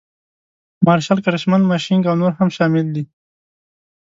مارشال کرشمن مشینک او نور هم شامل دي.